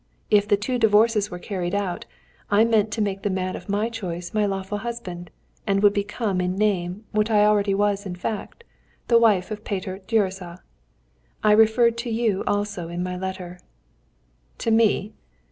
If the two divorces were carried out, I meant to make the man of my choice my lawful husband, and would become in name what I already was in fact, the wife of Peter Gyuricza. I referred to you also in my letter." "To me?"